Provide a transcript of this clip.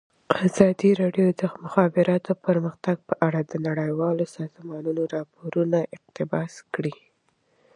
ازادي راډیو د د مخابراتو پرمختګ په اړه د نړیوالو سازمانونو راپورونه اقتباس کړي.